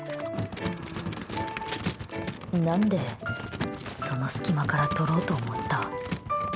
何で、その隙間から取ろうと思った？